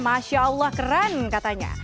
masya allah keren katanya